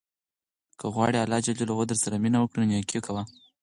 که غواړې اللهﷻ درسره مینه وکړي نو نېکي کوه.